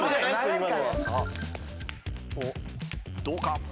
どうか？